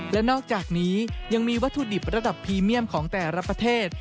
และนอกจากนี้ยังมีวัตถุดิบระดับพรีเมียมของแต่ละประเทศ